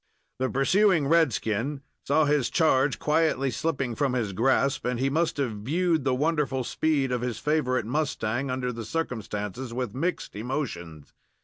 The pursuing red skin saw his charge quietly slipping from his grasp, and he must have viewed the wonderful speed of his favorite mustang, under the circumstances, with mixed emotions.